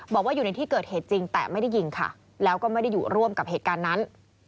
บอกว่าอยู่ในที่เกิดเหตุจริงแต่ไม่ได้ยิงค่ะแล้วก็ไม่ได้อยู่ร่วมกับเหตุการณ์นั้น